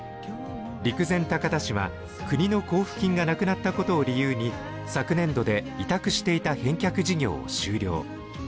陸前高田市は国の交付金がなくなったことを理由に、昨年度で委託していた返却事業を終了。